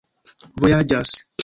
vojaĝas